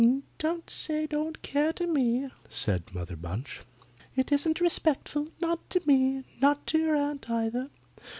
"Don't say 'don't care' to me," said Mother Bunch. "It isn't respectful not to me, nor to your aunt either.